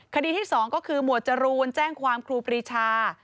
คดีที่๒ก็คือหมวดจรูนแจ้งความครูปรีชา